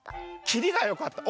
きりがよかった？